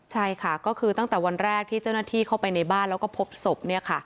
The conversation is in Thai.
ใช่ค่ะก็คือตั้งแต่วันแรกที่เจ้าหน้าที่เข้าไปในบ้านแล้วก็พบศพ